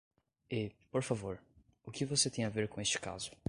E, por favor, o que você tem a ver com este caso?